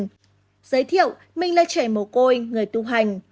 giới thiệu mình là trẻ mồ côi người tu hành